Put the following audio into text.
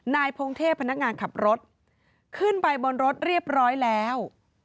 พงเทพพนักงานขับรถขึ้นไปบนรถเรียบร้อยแล้ว